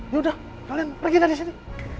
ya udah kalian pergi dari sini